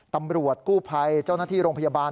ตำรวจกู้ภัยเจ้าหน้าที่โรงพยาบาล